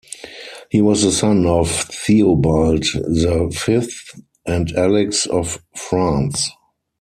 He was the son of Theobald the Fifth and Alix of France.